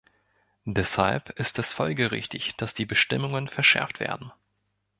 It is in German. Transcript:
Deshalb ist es folgerichtig, dass die Bestimmungen verschärft werden.